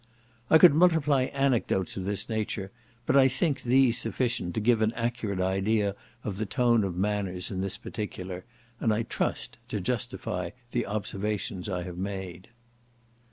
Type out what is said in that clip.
I could multiply anecdotes of this nature; but I think these sufficient to give an accurate idea of the tone of manners in this particular, and I trust to justify the observations I have made.